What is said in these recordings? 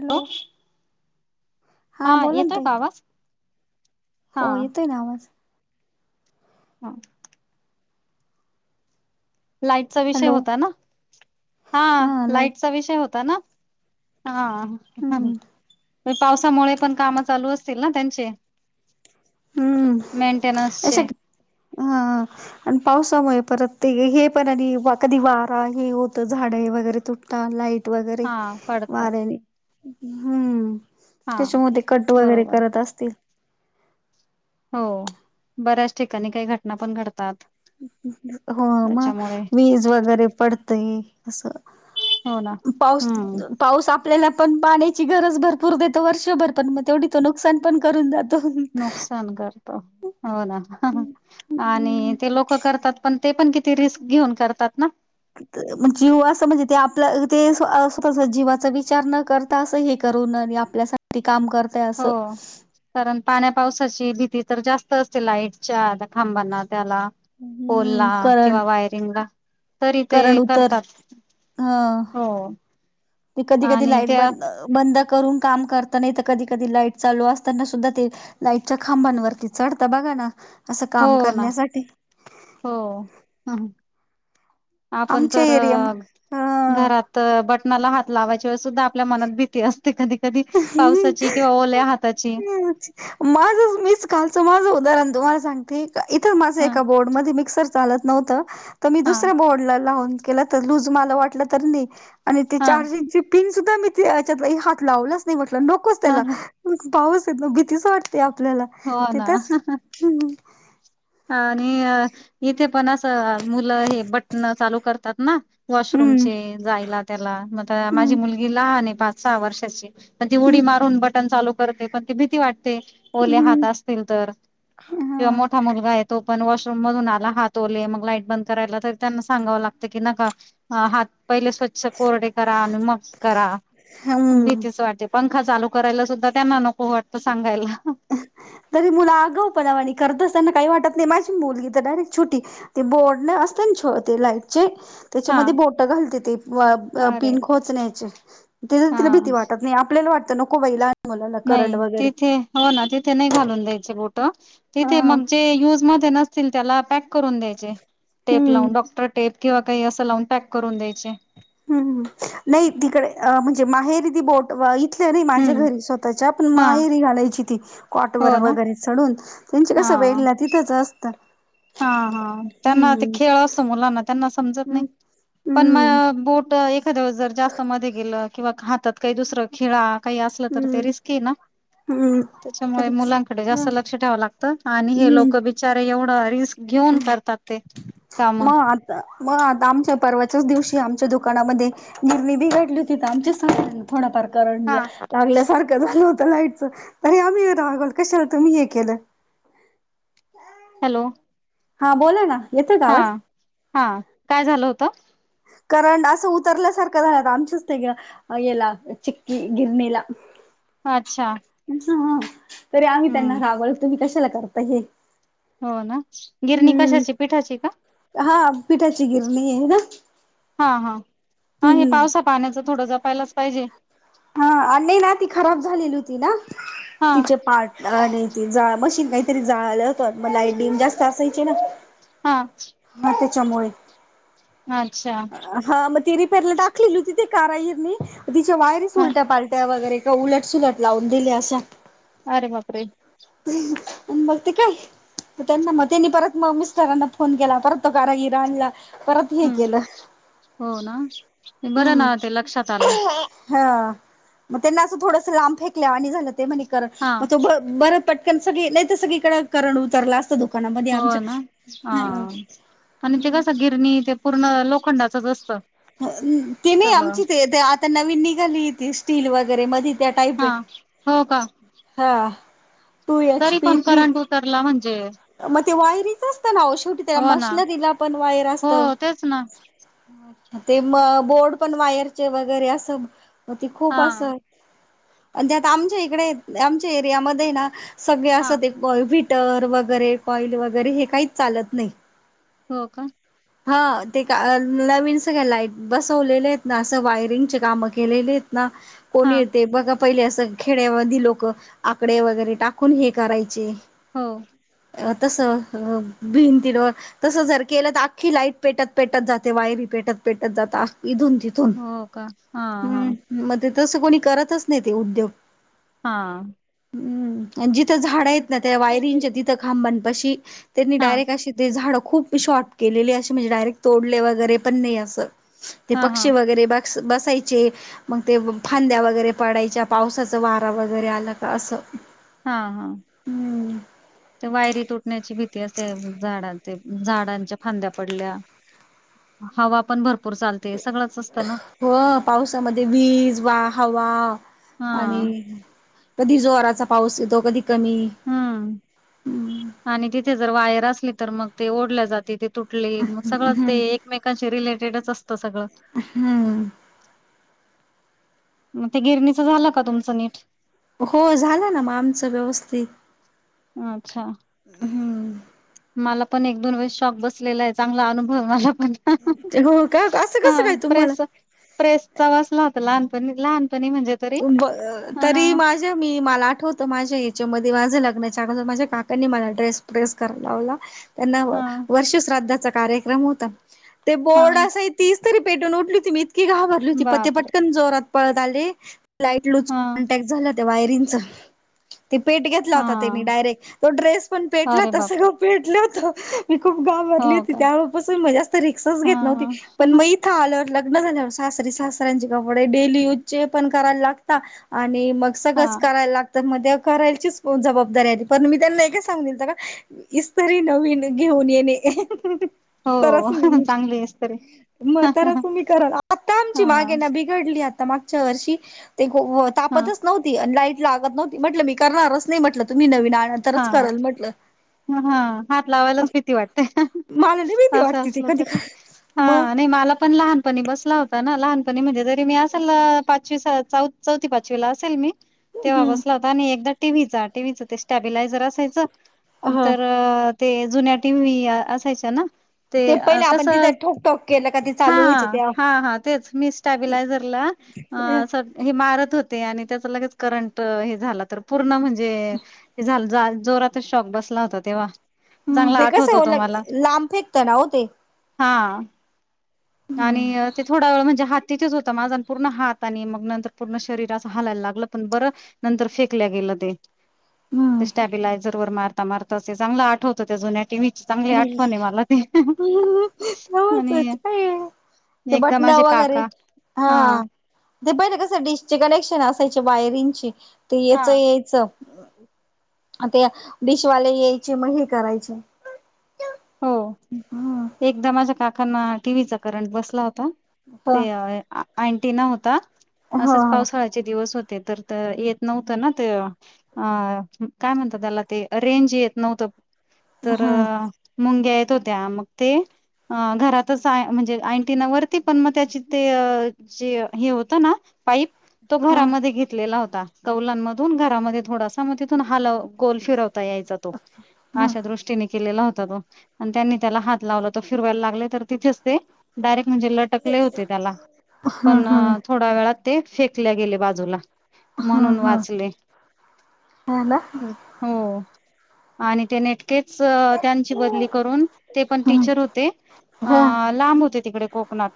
Hello हो. हा बोला ना येतोय ताई का आवाज? हा हो येतोय ना आवाज. हा. लाईटचा विषय हॅलो होता ना? हा लाईट चा विषय होता ना? हा. हम्म पावसामुळे पण काम चालू असतील ना त्यांचे हम्म अशा मेनटेनन्सचे हा आणि पावसामुळे परत ते हे पण आणि कधी वारा हे होतं झाडे वगैरे तुट लाईट वगैरे हा पडतात वाऱ्याने.. हम्म हा त्याच्यामध्ये कट वगैरे बरोबर करत असतील हो बऱ्याच ठिकाणी काही घटना पण घडतात हो मग त्याच्यामुळे वीज वगैरे पडतय असं हो ना पाऊस त हम्म पाऊस आपल्याला पण पाण्याची गरज भरपूर देतो वर्षभर पण मग तेवढी त नुकसान पण करून जातो नुकसान करतो हो ना आणि ते लोक करतात पण ते पण किती रिस्क घेऊन करतात ना जीव असं म्हणजे ते आपलं ते स्वतः चा जीवाचा विचार न करता असं हे करू न आपल्यासाठी काम करते हो असं कारण पाण्या पावसाची भीती तर जास्त असते लाईटच्या खांबांना त्याला पोल हम्म ला करंट किंवा वायरिंगला तरी ते करंट उतर, करतात ह हो म कधी कधी आणि लाईट त्या बंद बंद करून काम करताना हितं कधी कधी लाईट चालू असताना सुद्धा ते लाईटच्या खांबांनवरती चढता बघा ना असं काम हो ना, करण्यासाठी हो! ह आपण आमच्या तर एरिया म ह घरात तर बटनाला हात लावायच्या वेळेस सुद्धा आपल्या मनात भीती असते ते कधी कधी पावसाची किंवा ओल्या हाताची माझं मीच कालचं माझं उदाहरण तुम्हाला सांगते इथं माझं ह एका बोर्ड मध्ये मिक्सर चालत नव्हत, मी हा दुसऱ्या बोर्डला लावून केल तर लूज मला वाटलं तरी नाही आणि ते हा चार्जिंगचे पिन सुद्धा मी त्याच्यात हात लावलाच नाही म्हटलं नकोच त्याला ह पाऊस येतो भीतीच वाटते आपल्याला हो तिथेच ना आणि इथे पण असं मुलं हे बटन चालू करतात ना हम्म वॉशरूमचे जायला त्याला, म ते माझी हम्म मुलगी लहान ए पाच सहा वर्षाची, पण ती उडी हम्म मारून बटन चालू करते पण ती भीती वाटते ते ओले हम्म हात असतील तर किंवा हम्म मोठा मुल तो पण वॉशरूम मधून आला हात ओले मग लाईट बंद करायला तर त्यांना सांगावं लागत की नका अ हात पहिले स्वच्छ कोरडे करा अनं मग करा हा हम्म भीतीच वाटे पंखा चालू करायला सुद्धा त्यांना नको वाटतं सांगायला तरी मुलं आगाऊ पणावाणी करतसं त्यांना काही वाटत नाही माझी मुलगी तर डायरेक्ट छोटी ते बोर्डने असते ना छोटे लाईटचे हा त्याच्यामध्ये बोट घालते ती, अरे पिन खोचण्याचे, तिथ तिला हा भीती वाटत नाही, आपल्याला वाटतं नको बाई लहान मुलाला नाही, करंट वगैरे तिथे हो ना तिथे नाही घालून द्यायचे बोट, हा तिथे मग जे युज मध्ये नसतील त्याला पॅक करून द्यायचे, टेप हम्म लावून, डॉक्टर टेप टेप किंवा काही असं लावून पॅक करून द्यायचे ह्, नाही तिकडे अ म्हणजे माहेरी ती बोट इथले नाही माझ्या हम्म घरी स्वतःच्या पण हा माहेरी घालायची ती, कॉटवर हो ना वगैरे चढून त्यच हा कसं बेडला तिथंच असतं हा हा, त्यांना ते हम्म खेळ असत मुलांना, त्यांना समजत हम्म नाही पण म हम्म बोट एखाद्या वेळेस जर जास्त मध्ये गेलं किंवा हातात काही दुसरं खिळा काही असलं तर ते हम्म रिस्की ना? हम्म त्याच्यामुळे परीक्षा मुलांकडे जास्त लक्ष ठेवावं लागतं आणि हे हम्म लोक बी बीचारे एवढं रिस्क घेऊन करतात ते काम मग आता मग आता आमच्या परवाच्याच दिवशी आमच्या दुकानामध्ये नीरवी बिघडली होती तर आमच्या थोड फार करंट हा लागल्या सारखं झालं होत लाईटच तरी आम्ही रागवल, कश्यात मी हे केलं हॅलो हां बोला ना येतोय का हा आवाज हा काय झालं होतं करंड असं उतरल्या सारखं झालंत आमच्याच तिकडं येला, चिक्की गिरनीला हा अच्छा! ! हा तरी आम्ही त्यांना रागवलं, तुम्ही कशाला करता हे हो ना, गिरणी हम्म कशाची पिठाची का? हा पिठाची गिरणी आहे ना हा हा हा, हे हम्म पावसा पाण्याच थोडं जपायलाच पाहिजे- हा, आणि ना ती खराब झालेली होती ना, हा तिचे पार्ट आणि ती जा, मशीन काहीतरी जाळालं होत मग लाईट डीम जास्त असायची ना, हा हा त्यांच्या मुळे अच्छा हा मग ती रिपेअरला टाकलेली तिथे कारा येईर तिच्या वायरी सु हा उलट्या पालट्या वगैरे उलटसलट लावून दिले असशा अ रे माप रे आणि बघते काय त्यांना मग त्यांनी परत मग मिस्टरांना फोन केला परत तो कारागिर आणला परत हे केलं हम्म हो ना बरं हम्म ना ते लक्षात आलं हा मग त्यांना असं थोडस लांब फेकल्या आणि आणि झालं ते म्हणे कर हा मग त बरं पटकन सगळी नाही तर सगळीकं करड उतरलं असं दुः हो ना ह आणि ते कसं गिरणी ते पूर्ण लोखंडाचच असतं ती नाही सगळं आमची ते आता नवीन निघाली ती स्टील वगैरे मध हा हो का हा टू एच तरी पी पण थ्री करंट उतरला म्हणजे मग ते वायरीच असतं ना शेवटी त्याला हो ना मशनरीला पण वायर हो असत तेच ना ् ते म बोर्ड पण वायरचे वगैरे असं ते खूप हा असं आणि त्या आत आमच्या इकडे आमच्या एरियामध्ये ना सगळे हा असं ते गॉयफिटर वगैरे कॉइल वगैरे हे काहीच चालत नाही हो का हा ते का नवीन सगळ्या लाईट बसवलेले आहेत ना असं वायरिंगचे कामं केलेले आहेत ना कोण हा येत बघा पहिले असं खेड्यामध्येधी लोक आकडे वगैरे टाकून हे करायचे हो अ तसं अ भिंतीड तस जर केलं तर आखी लाईट पेटत पेटत जाते वायरी पेटत पेटत जातथून तथ हो का हा हा हम्म मग ते तस कोणी करतच नाही ते उद्योग हा हम् आणि जिथं झाडं आहेत ना त्या वायरिंगच्या तिथं खांबण पशी त्यांनी हा डायरेक्ट अशी ते झाडं खूप शॉर्प केलेली असे म्हणजे डायरेक्ट तोडले वगैरे पण नाही असं ते हा हा पक्षी वगैरे बसायचे मग ते फांद्या वगैरे पडायच्या पावसाच वारा वगैरे आला का असं हा हा हम् ते वायरी तुटण्याची भीती असे झाडांचे झाडांच्या फांद्या पडल्या हवा आपण भरपू हो पावसामध्ये वीज वा हवा. हा आणि कधी जोराचा पाऊस येतो कधी कमी. ह हम्म आणि तिथे जर वायर असली तर मग ते ओढल्या जाते ते तुट टले सगळं ते हम्म एकमेकांशी रिलेटेडच असत सगळं. हम्म मग ते गिरणीचं झालं का तुमचं नीट. हो झालं ना मग आमचं व्यवस्थित. अच्छा. हम्म मला पण एक दोन वेळेस शॉक बसलेला आहे चांगला अनुभव मला पण. हो का असं हा कसं काय तुम्हाला. प्रेस प्रेसचा वाचला होता लहानपणी लहानपणी म्हणजे. तरी ब अ हा तरी मा जे मी मला आठवत माझ्या या्याच्यामध्ये माझ्या लग्नाच्यागर माझ्या काकनी मला ड्रेस प्र्रेस करायला लावला. त्यांना हा वर्षश्राद्धाचा कार्यक्रम होता ते हा बोर्ड असायत. तीच तरी पेटून उठली होती मी इतकी घाबरली होती पते बापरे पटकन जोरात पळत आले. लाईटलूज हा कॉन्टॅक्ट झाला त्या वायरिंगचा. ते पेट घेतला होता त्यांनी हा डायरेक्ट तो ड्रेस पण पेटला अरे होता बापरे सगळं पेटलं होत. मी खूप हो घाबरली होती का तेव्हापासून मग जास्त रिस्कच हा घेत नव्हती पण मग. हा ल लग्न झाल्यावर सासरी सासऱ्यांचे कपडे डेली यूजचे पण. करायला लागता आणि मग हा सगळच करायला लागत. तर मध्ये करायचीच पन जबाबदारी आ पण मी त्यांना एकच सांगितला का. इस्तरी नवीन घेऊन येणे. तरच हो चांगली आहेस तरी मग हा तर तुम्ही कराल आता आमची मागे ना भी पडली उघडली आता मागच्या वर्षी ग व हा तापतच नव्हती. ती लाईट लागत नव्हती म्हटलं मी करणारच नाही म्हटलं तुम्ही नवीन हा आणंतरच करेल म्हटलं. हा हात लावायलाच भीती वाटतेय. मला लई भीती असं वाटते ते असल कधी तरी हा मग नाही मला पण लहान. पनी बसला होता ना लहानपणी म्हणजे तरी मी असेल ल पाचवी सा चौथी पाचवी ला असेल मी. तेव्हा हम्म बसला होता आणि एकदा टीव्हीचा टीव्हीचा ते स्टॅबिलायझर असायचं ह तर अ. ते जुन्या टीवी असायच्या ना. ते पहिले कस आपण तिथं ठोकठोक केलं का ते हा चालू व्हायचं त्या हा हा तेच मी स्टाबलायझरला. अ हे मारत होते आणि त्याच लगेच करंट हे झाला तर पूर्ण म्हणजे. हे जा झालं जोरातच शॉक बसला होता तेव्हा. हम् चांगला ते आठवतो तो कसं मला लांब फेकतं ना हो ते. हा आणि हम्म ते थोडा वेळ म्हणजे हात तिथेच होता माझण पूर्ण हात. आणि मग नंतर पूर्ण शरीर असं हलायला लागलं पण बरं नंतर फेकल्या गेलं ते. ह. ते स्टॅबिलायझर वर मारता मारता असे चांगलं आठवतं त्या जुन्या टीव्. [inaudible] ते आणि एकदा बटण माझे वगैरे काका हा. ते पहिले कसं डिशचे कनेक्शन असायचे वायरिंगचे ते याचं यायचं. आता डिशवाले यायचे मग हे करायचे. हो. हा. एकदा माझ्या काकांना टीव्हीचा करंट बसला होता ते व आ. अँटिना होता ह असेच हो पावसाळ्याचे दिवस होते तर येत नव्हतं ना ते. अ काय म्हणता त्याला ते रेंज येत नव्हतं तर. ह ह मुंग्या येत होत्या मग ते. अ घरातच म्हणजे अँ अँटिना वरती पण मग त्याची ते अ. जे हे होतं ना पाईप. तो ह घरामध्ये घेतलेला होता कौलांमधून घरामध्ये थोडासा. तर मग तिथून हल गोल फिरवता यायचा तो ह अशा दृष्टीने केलेला होता. त्यांनी त्याला हात लावला तो फिरवायला लागले तर तिथेच ते. डायरेक्ट म्हणजे लटकले होते त्याला. हम्म पण हम्म. थोड्या वेळात ते फेकल्या गेले बाजूला. ह म्हणून ह वाचले. ह ना हो आणि ते नेटकेच. त्यांची बदली करून ते पण ह टीचर होते अ ह ह लांब होते तिकडे कोकणात.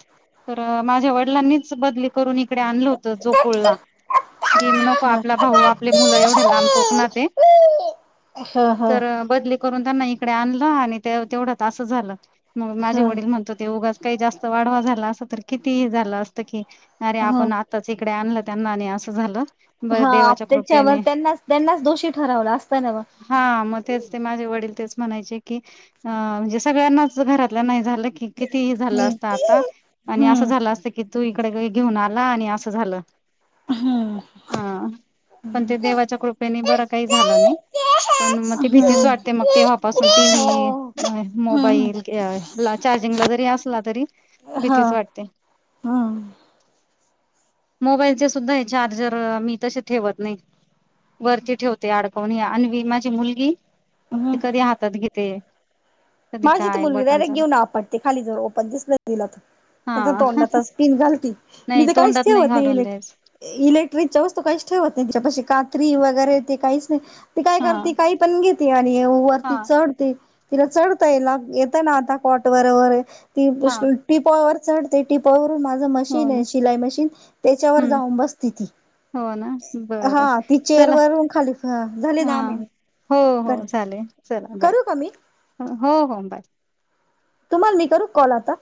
तर माझ्या वडिलांनीच बदली करून इकडे आणलं होतं जोपुलला. कि नको आपला भाऊ आपले मुलं एवढे लांब कोकणात आहे. ह ह तर बदली करून त्यांना. तडे आणलं आणि तेवढ्यात असं झालं मग माझे वडील म्हणत होते उगाच. काही जास्त वाढवा झाला अस तर किती झालं असतं की अरे ह आपण च इकडे आणलं त्यांना आणि असं झालं बरं देवाच्या हात्याच्या व कृपेने त्यांना त्यांनाच दोषी ठरवला असता ना ब हा मग तेच ते माझे वडील तेच म्हणाय चे की अ म्हणजे सगळ्यांनाच घरातल्या नाही झालं की किती झालं हम्म. असत आता हो. आणि असं हम्म. झालं असतं की तू इकडे घेऊन आला आणि असं झालं हा पण ते देवाच्या कृप बर काही झालं नाही पण मग ते भीतीच वाटते मग तेव्हापासून टीव्ही मोबाईल चार्जिंगला जरी असला तरी भीतीच वाटते हम मोबाईलचे सुद्धा आहे चार्जर मी तसे ठेवत नाही वरती ठेवते अडकवून आणि माझी मुलगी. ते कधी हातात घेते. कधी माझी तर काय मुगी बटन डायरेक्ट चालू घेऊन आपटते खाली ज ओपन दिस दिला तर. हा तोंडातच पिन घालती मी नाही तर काहीच तोंडात ठेवत नाही घालून इलेट द्यायच इलेक्ट्रिकच्या वस्तू काही ठेवत नाही त्याच्या कात्री वगैरे ते काहीच नाही ती काय हा करते काही पण घेते आणि हा वरती चढते तिला चढ ला येत ना आता कॉट वरे वगरे ती हा टीपर च ते टिपवरून माझं हो मशीन ना आहे शिलाई मशीन त्याच्यावर हम्म जाऊन बसते ती हो ना हा बरं ती चेअर चला वर खाली झाली हा नामही हो हो चाले चला बाय मी हो हो बाय तुम्हाला न करू कॉल आता